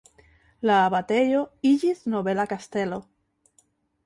La abatejo iĝis nobela kastelo.